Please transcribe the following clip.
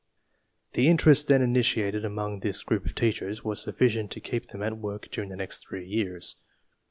The interest then initiated among this group of teachers was sufficient to keep them at work during the next three years.